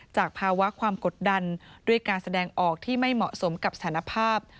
จากภาวะความกดดันด้วยการแสดงออกที่ไม่เหมาะสมกับสถานภาพ